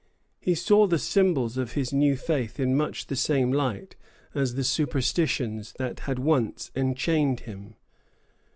He saw the symbols of his new faith in much the same light as the superstitions that had once enchained him.